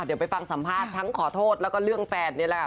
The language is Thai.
เดี๋ยวไปฟังสัมภาษณ์ทั้งขอโทษแล้วก็เรื่องแฟนนี่แหละค่ะ